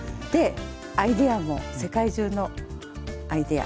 アイデアも世界中のアイデア。